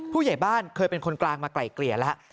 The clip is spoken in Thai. ผู้ใหญ่บ้านเคยเป็นคนกลางมาไกล่เกลี่ยแล้ว